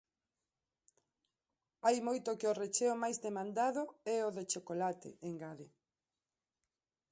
Hai moito que o recheo máis demandado é o de chocolate, engade.